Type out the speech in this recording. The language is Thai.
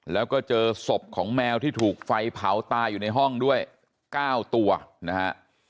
แล้วก็เจอศพของแมวที่ถูกไฟเผาตายอยู่ในห้องด้วย๙ตัวนะฮะ